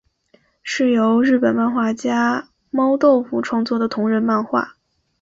是由日本漫画家猫豆腐创作的同人漫画。